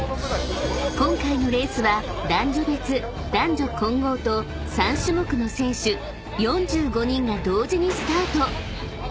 ［今回のレースは男女別男女混合と３種目の選手４５人が同時にスタート］